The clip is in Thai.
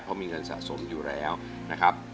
เพราะมีเงินสะสมอยู่แล้วนะครับ